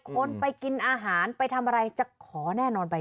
คนไปกินอาหารไปทำอะไรจะขอแน่นอนไป